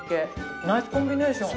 ナイスコンビネーション。